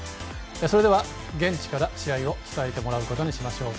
それでは現地から試合を伝えてもらうことにしましょう。